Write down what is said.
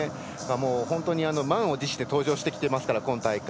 本当に満を持して登場してきていますから、今大会。